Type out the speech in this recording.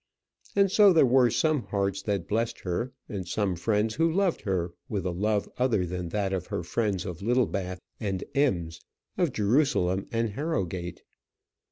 And so there were some hearts that blessed her, and some friends who loved her with a love other than that of her friends of Littlebath and Ems, of Jerusalem and Harrowgate.